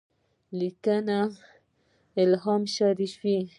لیکنه : الهام شریفي